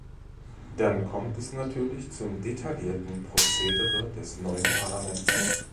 Dann kommt es natürlich zum detaillierten Procedere des neuen Parlaments.